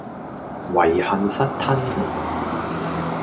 遺恨失吞吳